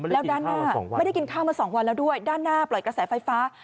แล้วด้านหน้าไม่ได้กินข้าวมา๒วันแล้วด้วยด้านหน้าปล่อยกระแสไฟฟ้า